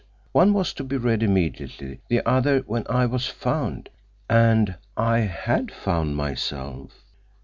One was to be read immediately, the other when I was found—and I had found myself.